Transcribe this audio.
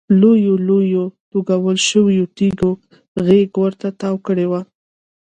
لویو لویو توږل شویو تیږو غېږ ورته تاو کړې وه.